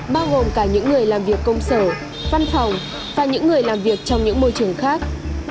bao gồm cả những người làm việc công sở văn phòng và những người làm việc trong những môi trường khác